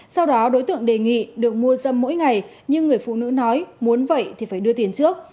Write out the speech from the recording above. sau đó đối tượng đề nghị được mua dâm mỗi ngày nhưng người phụ nữ nói muốn vậy thì phải đưa tiền trước